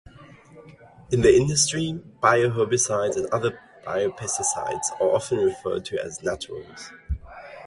In the industry, bioherbicides and other biopesticides are often referred to as "naturals".